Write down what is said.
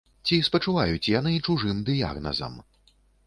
Ці спачуваюць яны чужым дыягназам?